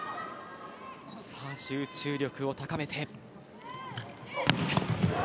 集中力を高めて。